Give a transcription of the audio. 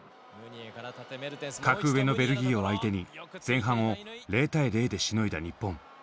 格上のベルギーを相手に前半を０対０でしのいだ日本。